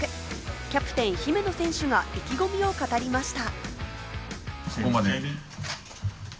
キャプテン・姫野選手が意気込みを語りました。